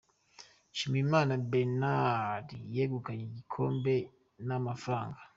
Nshimiyimana Bernard, yegukanye igikombe na , Rwf.